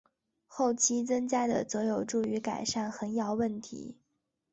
后期增加的则有助于改善横摇问题。